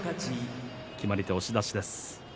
決まり手、押し出しです。